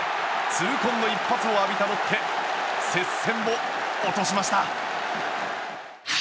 痛恨の一発を浴びたロッテ接戦を落としました。